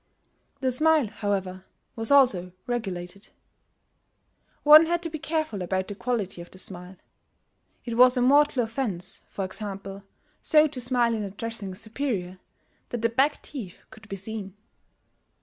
The smile, however, was also regulated. One had to be careful about the quality of the smile: it was a mortal offence, for example, so to smile in addressing a superior, that the back teeth could be seen.